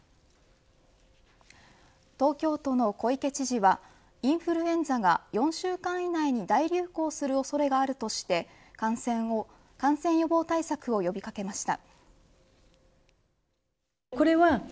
東京都の小池知事はインフルエンザが４週間以内に大流行する恐れがあるとして感染予防対策を呼び掛けました。